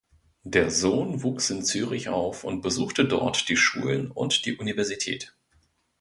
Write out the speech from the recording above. Der Sohn wuchs in Zürich auf und besuchte dort die Schulen und die Universität.